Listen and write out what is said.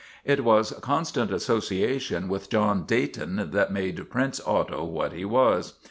It was constant association with John Dayton that made Prince Otto what he was.